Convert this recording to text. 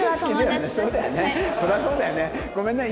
そりゃそうだよね。